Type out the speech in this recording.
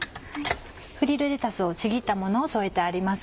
フリルレタスをちぎったものを添えてあります。